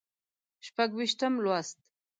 شپږ ویشتم لوست